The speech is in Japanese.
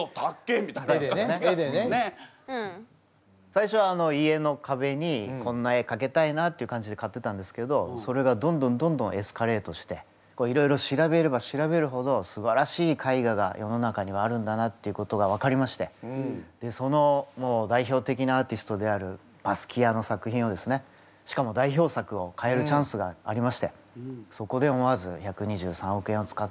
最初は家のかべにこんな絵かけたいなっていう感じで買ってたんですけどそれがどんどんどんどんエスカレートしていろいろ調べれば調べるほどすばらしい絵画が世の中にはあるんだなっていうことが分かりましてその代表的なアーティストであるバスキアの作品をですねしかも代表作を買えるチャンスがありましてそこで思わず１２３億円を使って買いました。